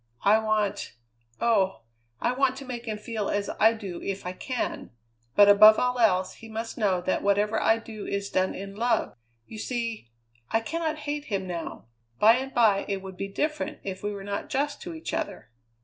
I want oh! I want to make him feel as I do, if I can; but above all else he must know that whatever I do is done in love. You see, I cannot hate him now; by and by it would be different if we were not just to each other."